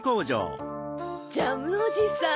・ジャムおじさん